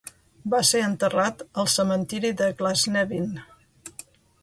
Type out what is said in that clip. Va ser enterrat al cementiri de Glasnevin.